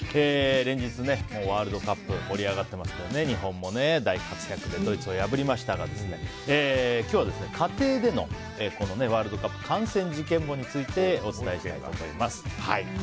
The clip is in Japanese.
連日、ワールドカップ盛り上がっていますけど日本も大活躍でドイツを破りましたが今日は家庭でのワールドカップ観戦事件簿についてお伝えしたいと思います。